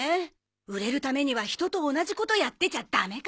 売れるためには人と同じことやってちゃダメか。